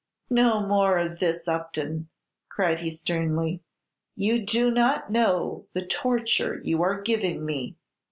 "No more of this, Upton," cried he, sternly; "you do not know the torture you are giving me."